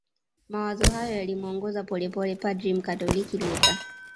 Mawazo hayo yalimuongoza polepole padri mkatoliki Luther